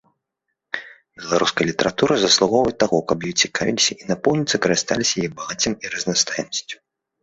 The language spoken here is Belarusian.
Беларуская літаратура заслугоўвае таго, каб ёй цікавіліся і напоўніцу карысталіся яе багаццямі і разнастайнасцю.